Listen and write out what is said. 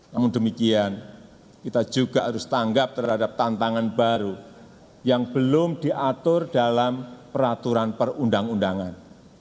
namun demikian kita juga harus tanggap terhadap tantangan baru yang belum diatur dalam peraturan perundang undangan